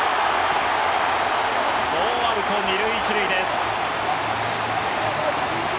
ノーアウト２塁１塁です。